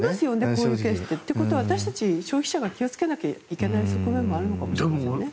こういうケースって。ということは私たち消費者が気をつけなきゃいけない側面もあるのかもしれないですね。